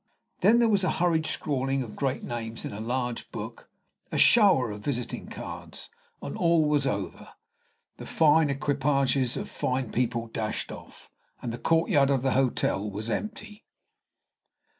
Then there was a hurried scrawling of great names in a large book, a shower of visiting cards, and all was over; the fine equipages of fine people dashed off, and the courtyard of the hotel was empty.